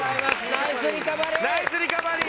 ナイスリカバリー！